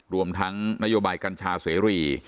รวมทั้งนโยบายกัญชาเสรี